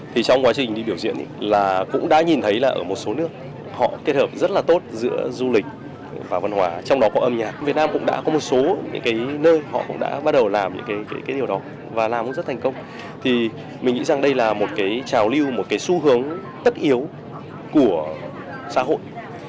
tuy rằng đây là một cái trào lưu một cái xu hướng tất yếu của xã hội